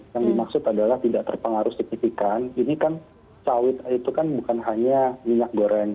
yang dimaksud adalah tidak terpengaruh signifikan ini kan sawit itu kan bukan hanya minyak goreng